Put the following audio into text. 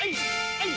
はい！